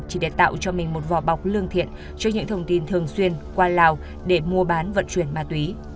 chỉ để tạo cho mình một vỏ bọc lương thiện cho những thông tin thường xuyên qua lào để mua bán vận chuyển ma túy